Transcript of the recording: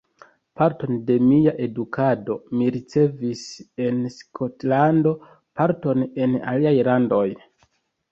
Parton de mia edukado mi ricevis en Skotlando, parton en aliaj landoj.